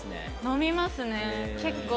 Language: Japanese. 飲みますね結構。